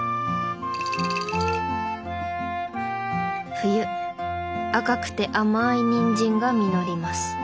冬赤くて甘いニンジンが実ります。